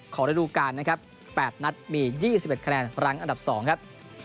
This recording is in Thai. ระดูการนะครับ๘นัดมี๒๑คะแนนรั้งอันดับ๒ครับ